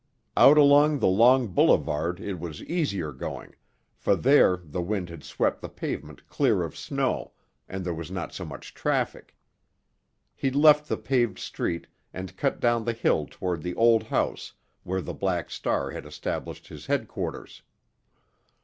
Out along the long boulevard it was easier going, for there the wind had swept the pavement clear of snow, and there was not so much traffic. He left the paved street and cut down the hill toward the old house where the Black Star had established his headquarters.